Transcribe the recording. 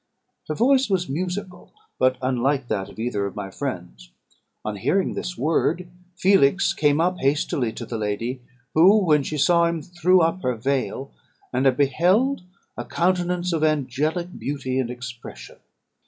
Her voice was musical, but unlike that of either of my friends. On hearing this word, Felix came up hastily to the lady; who, when she saw him, threw up her veil, and I beheld a countenance of angelic beauty and expression.